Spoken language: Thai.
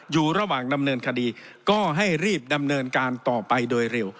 อยู่ระหว่างดำเนินคดีก็ให้รีบดำเนินการต่อไปโดยเร็ว